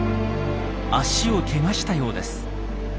足をけがしたようです。